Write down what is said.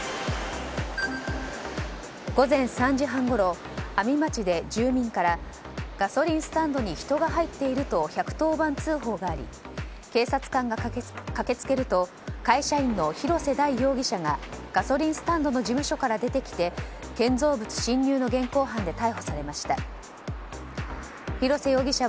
午前３時半ごろ阿見町で住民からガソリンスタンドに人が入っていると１１０番通報があり警察官が駆け付けると会社員の広瀬大容疑者がガソリンスタンドの事務所から出てきて建造物侵入の疑いで逮捕されました。